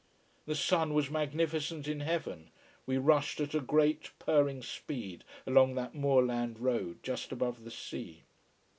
The sun was magnificent in heaven, we rushed at a great, purring speed along that moorland road just above the sea.